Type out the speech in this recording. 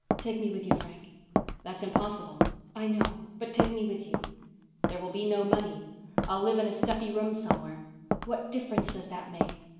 "Take me with you, Frank." "That's impossible." "I know, but take me with you." "There will be no money. I'll live in a stuffy room somewhere." "What difference does that make?